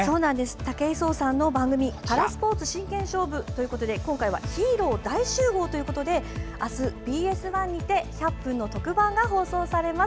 武井壮さんの番組「パラスポーツ真剣勝負」ヒーロー大集合ということで明日、ＢＳ１にて１００分の特番が放送されます。